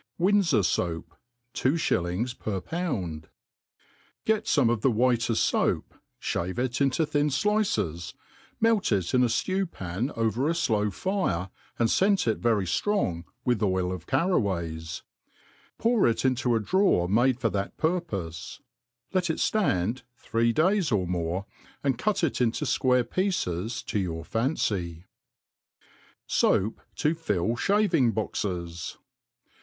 U^ndfor Soap. ^Two Shillings per Found. ••» GET fome of the whiteft fpap, (have it into thin fl/ces; melt it in a (lew pan over a flpw fire, and fcent it very firong with oil of carraways ; pour it into a drawer made for that purpofe ; let it (tand three days or more, and cut it into fquarc pieces to your fancy. &oap to fill Shaving' Boxes.